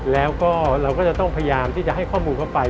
แล้วก็เราก็จะต้องพยายามที่จะให้ข้อมูลเข้าไป